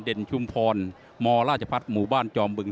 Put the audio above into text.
ชุมพรมราชพัฒน์หมู่บ้านจอมบึง